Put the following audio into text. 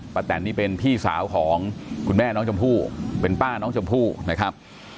แตนนี่เป็นพี่สาวของคุณแม่น้องชมพู่เป็นป้าน้องชมพู่นะครับ